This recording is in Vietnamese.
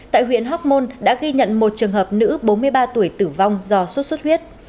tại huyện hoc mon đã ghi nhận một trường hợp nữ bốn mươi ba tuổi tử vong do xuất xuất huyết